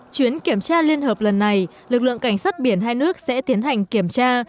chuyến kiểm tra liên hợp lần này lực lượng cảnh sát biển hai nước sẽ tiến hành kiểm tra